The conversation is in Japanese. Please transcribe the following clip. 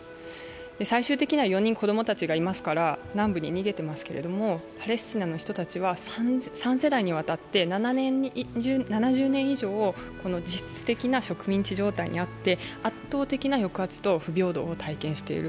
最終的には４人子供たちがいますから南部に逃げていますけどパレスチナの人たちは３世代にわたって、７０年以上、この実質的な植民地状態にあって圧倒的な抑圧と不平等を体験している。